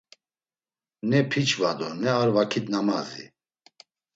Ne p̌içva do ne ar vakit namazi